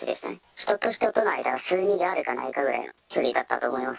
人と人との間が数ミリあるかないかぐらいの距離だったと思います。